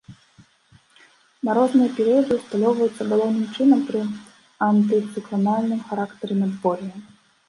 Марозныя перыяды ўсталёўваюцца галоўным чынам пры антыцыкланальным характары надвор'я.